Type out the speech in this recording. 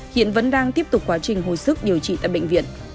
hiện vẫn đang tiếp tục quá trình hồi sức điều trị tại bệnh viện